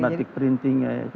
batik printing ya